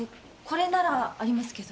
これならありますけど。